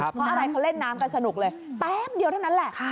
เพราะอะไรเขาเล่นน้ำกันสนุกเลยแป๊บเดียวเท่านั้นแหละ